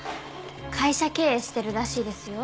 会社経営してるらしいですよ。